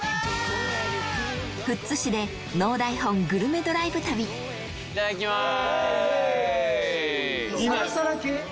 富津市でノー台本グルメドライブ旅いただきます。